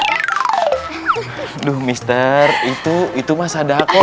aduh mister itu itu mah sodokoh